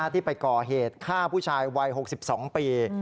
ที่ไปก่อเหตุฆ่าผู้ชายวัย๖๒ปี